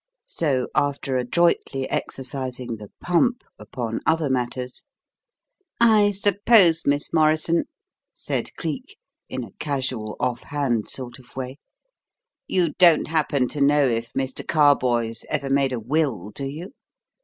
So, after adroitly exercising the "pump" upon other matters: "I suppose, Miss Morrison," said Cleek in a casual off hand sort of way, "you don't happen to know if Mr. Carboys ever made a will, do you?